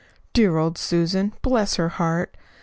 "Dear old Susan bless her heart!